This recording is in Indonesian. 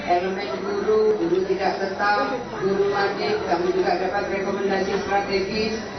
elemen guru guru tidak tetap guru magik kami juga dapat rekomendasi strategis